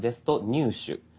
「入手」。